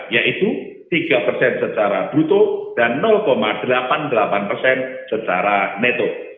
yaitu tiga persen secara bruto dan delapan puluh delapan persen secara neto